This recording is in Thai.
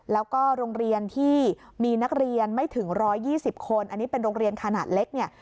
แล้วก็โรงเรียนที่มีนักเรียนไม่ถึง๑๒๐คนอันนี้เป็นโรงเรียนขนาดเล็กเนี่ย